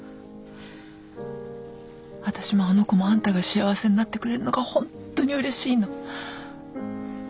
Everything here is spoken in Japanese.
私もあの子もあんたが幸せになってくれるのがホントにうれしいの。